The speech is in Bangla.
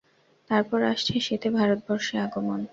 তারপর আসছে শীতে ভারতবর্ষে আগমন।